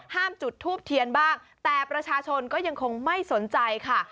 จุดทูบเทียนบ้างแต่ประชาชนก็ยังคงไม่สนใจค่ะ